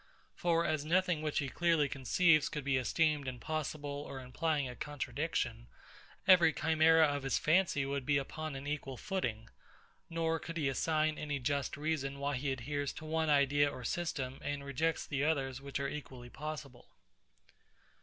For as nothing which he clearly conceives could be esteemed impossible or implying a contradiction, every chimera of his fancy would be upon an equal footing; nor could he assign any just reason why he adheres to one idea or system, and rejects the others which are equally possible.